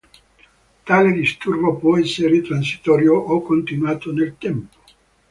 Tale disturbo può essere transitorio o continuato nel tempo.